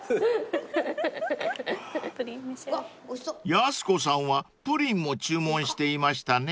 ［やす子さんはプリンも注文していましたね］